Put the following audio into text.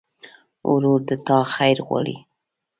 ورور د تا خیر غواړي.